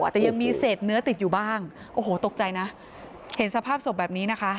แต่ยังมีเศษเนื้อติดอยู่บ้างโอ้โหตกใจนะเห็นสภาพศพแบบนี้นะคะ